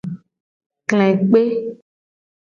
Kle kpe.